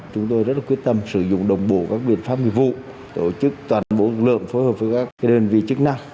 chúng tôi rất là quyết tâm sử dụng đồng bộ các biện pháp nghiệp vụ tổ chức toàn bộ lượng phối hợp với các cái đơn vị chức năng